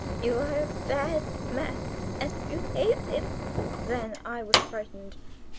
You are a bad man, and you hate him." Then I was frightened.